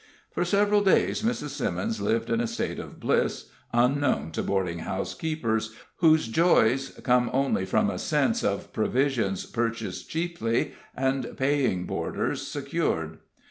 For several days Mrs. Simmons lived in a state of bliss unknown to boarding house keepers, whose joys come only from a sense of provisions purchased cheaply and paying boarders secured.